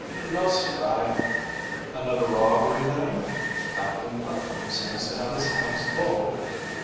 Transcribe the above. "No, sir, I " "Another robbery, then? Captain Putnam seems to have his hands full."